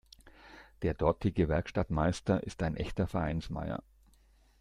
Der dortige Werkstattmeister ist ein echter Vereinsmeier.